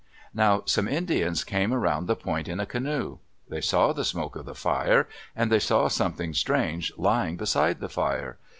Now some Indians came around the point in a canoe. They saw the smoke of the fire, and they saw something strange lying beside the fire.